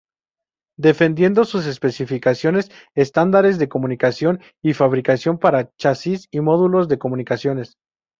Definiendo sus especificaciones estándares de comunicación y fabricación para chasis y módulos de comunicaciones.